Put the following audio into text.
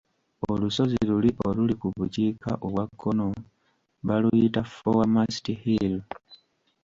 Olusozi luli oluli ku bukiika obw'akkono baluyita Foremast Hill.